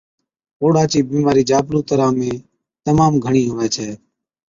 ڪوڙها چِي بِيمارِي جابلُون تران ۾ تمام گھڻِي هُوَي ڇَي